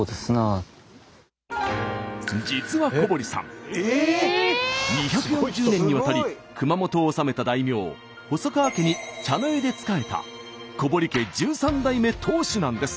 実は小堀さん２４０年にわたり熊本を治めた大名細川家に茶の湯で仕えた小堀家１３代目当主なんです。